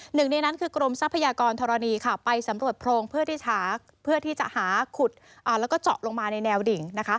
หนึ่งในนั้นคือกรมทรัพยากรธรณีไปสำรวจโพรงเพื่อที่ฉากเพื่อที่จะหาขุดแล้วก็เจาะลงมาในแนวดิ่ง